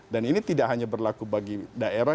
dan ini tidak hanya berlaku bagi daerah